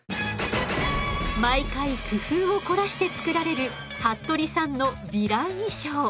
毎回工夫を凝らして作られる服部さんのヴィラン衣装。